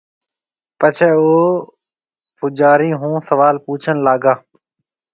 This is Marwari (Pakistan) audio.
پڇيَ او پوجارِي هون سوال پُوڇڻ لاگا۔